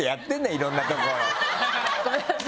ごめんなさい。